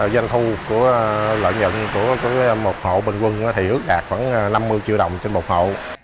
doanh thu của lợi nhận của một hộ bình quân ước đạt khoảng năm mươi triệu đồng trên một hộ